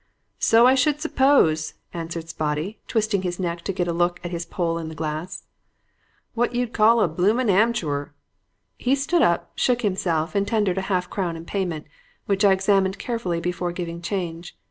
"'So I should suppose,' answered Spotty, twisting his neck to get a look at his poll in the glass. 'What you'd call a bloomin' ammerchewer.' He stood up, shook himself and tendered a half crown in payment, which I examined carefully before giving change.